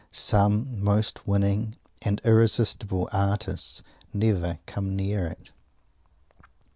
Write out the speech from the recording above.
Some most winning and irresistible artists never come near it.